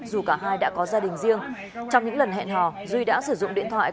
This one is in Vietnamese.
dù cả hai đã có gia đình riêng trong những lần hẹn hò duy đã sử dụng điện thoại